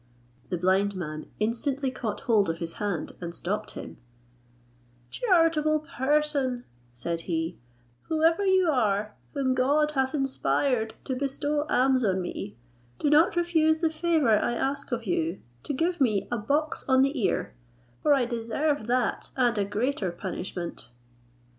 The blind man instantly caught hold of his hand, and stopped him; "Charitable person," said he, "whoever you are, whom God hath inspired to bestow alms on me, do not refuse the favour I ask of you, to give me a box on the ear, for I deserve that, and a greater punishment."